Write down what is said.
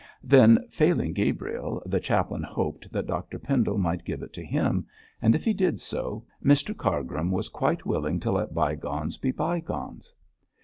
Then, failing Gabriel, the chaplain hoped that Dr Pendle might give it to him, and if he did so, Mr Cargrim was quite willing to let bygones be bygones.